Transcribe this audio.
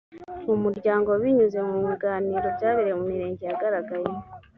mu muryango binyuze mu biganiro byabereye mu mirenge yagaragayemo